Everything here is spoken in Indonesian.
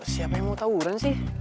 siapa yang mau tawuran sih